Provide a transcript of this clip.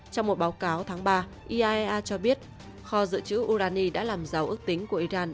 trong một báo cáo tháng ba iaea cho biết kho dự trữ urani đã làm giàu ước tính của iran